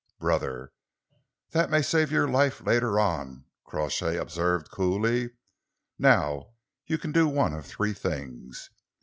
"Brother." "That may save your life later on," Crawshay observed coolly. "Now you can do one of three things.